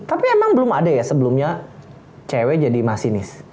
tapi emang belum ada ya sebelumnya cewek jadi masinis